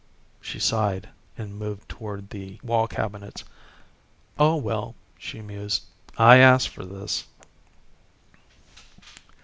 She sighed and moved toward the wall cabinets. "Oh well," she mused, "I asked for this."